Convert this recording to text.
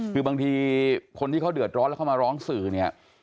คือบางทีคนที่เขาเดือดร้อนแล้วเขามาร้องสื่อเนี่ย